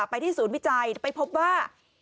ไปที่ศูนย์วิจัยไปพบว่า